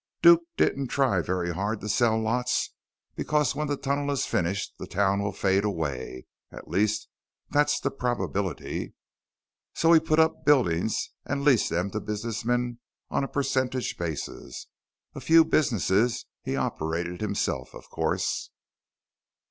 "Duke didn't try very hard to sell lots because when the tunnel is finished, the town will fade away. At least, that's the probability. So he put up buildings and leased them to businessmen on a percentage basis. A few businesses he operated himself, of course."